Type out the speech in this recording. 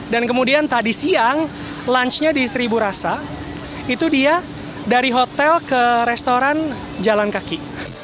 dan kemudian tadi siang lunchnya di seribu rasa itu dia dari hotel ke restoran jalan kaki